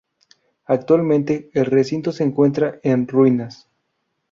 Actualmente el recinto se encuentra en ruinas.